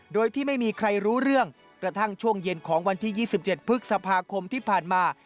โดยที่ไม่มีใครรู้เรื่องกระทั่งช่วงเย็นของวันที่๒๗พฤษภาคมที่ผ่านมา